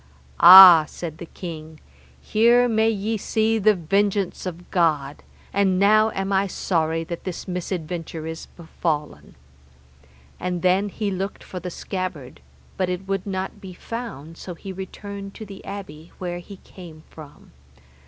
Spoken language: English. Ah, said the king, here may ye see the vengeance of God, and now am I sorry that this misadventure is befallen. And then he looked for the scabbard, but it would not be found, so he returned to the abbey where he came from.